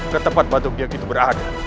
ketempat batu kia itu berada